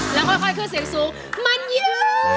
แล้วค่อยสิ่งสูงมันยืด